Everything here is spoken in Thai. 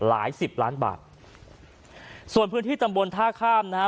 สิบล้านบาทส่วนพื้นที่ตำบลท่าข้ามนะฮะ